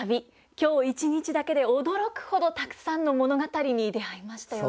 今日一日だけで驚くほどたくさんの物語に出会いましたよね。